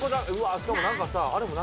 しかもなんかさあれもなく？